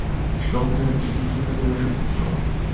তখন তাহার বেশি কিছু চিন্তা করিবার শক্তি ছিল না।